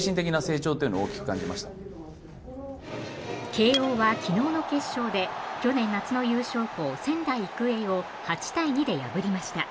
慶応は昨日の決勝で去年夏の優勝校、仙台育英を８対２で破りました。